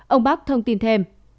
ông bắc thông tin thêm